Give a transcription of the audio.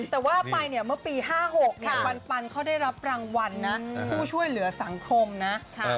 แต่ว่าไปเนี่ยเมื่อปี๕๖ปันเขาได้รับรางวัลนะผู้ช่วยเหลือสังคมนะ